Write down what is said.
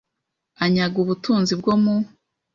Anyaga ubutunzi bwo mu